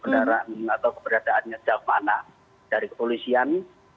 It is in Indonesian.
kebenaran atau keberadaannya jawab mana dari kepolisian